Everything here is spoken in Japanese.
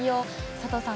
佐藤さん。